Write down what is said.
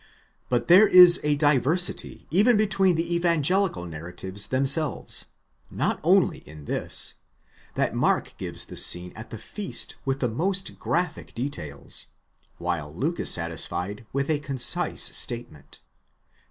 But there is a diversity even between the evangelical narratives themselves, not only in this, that Mark gives the scene at the feast with the most graphic details, while Luke is satisfied with a concise statement (ili.